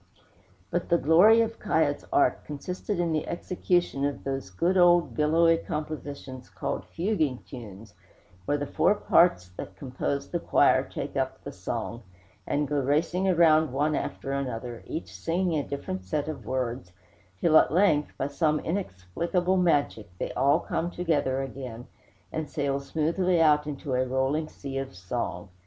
But the glory of 'Kiah's art consisted in the execution of those good old billowy compositions called fuguing tunes, where the four parts that compose the choir take up the song, and go racing around one after another, each singing a different set of words, till, at length, by some inexplicable magic, they all come together again, and sail smoothly out into a rolling sea of song.